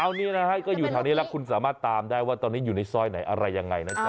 เอานี่นะฮะก็อยู่แถวนี้แล้วคุณสามารถตามได้ว่าตอนนี้อยู่ในซอยไหนอะไรยังไงนะจ๊